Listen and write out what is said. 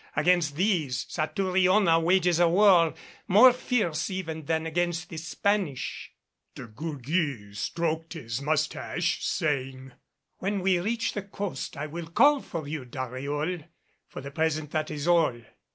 Against these, Satouriona wages a war more fierce even than against the Spanish." De Gourgues stroked his mustache, saying, "When we reach the coast, I will call for you, Dariol. For the present, that is all."